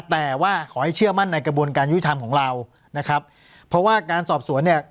แต่ว่าขอให้เชื่อมั่นในกระบวนการยุติธรรมของเรานะครับเพราะว่าการสอบสวนเนี่ย